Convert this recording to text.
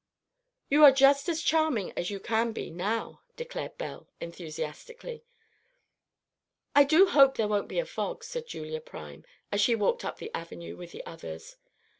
'" "You are just as charming as you can be now," declared Belle, enthusiastically. "I do hope there won't be a fog," said Julia Prime, as she walked up the Avenue with the others.